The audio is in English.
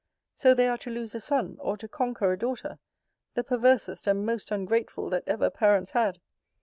So they are to lose a son, or to conquer a daughter the perversest and most ungrateful that ever parents had!